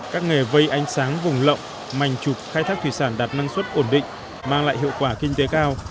các nghề vây ánh sáng vùng lộng mảnh trục khai thác thủy sản đạt năng suất ổn định mang lại hiệu quả kinh tế cao